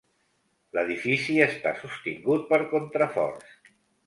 L'edifici està sostingut per contraforts.